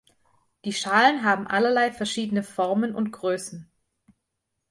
Die Schalen haben allerlei verschiedene Formen und Größen.